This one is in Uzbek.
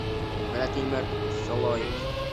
Vladimir Solovьyov